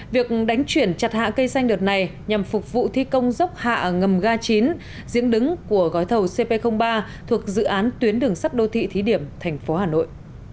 việc đánh chuyển chặt hạ cây xanh đợt này nhằm phục vụ thi công dốc hạ ngầm ga chín giếng đứng của gói thầu cp ba thuộc dự án tuyến đường sắt đô thị thí điểm thành phố hà nội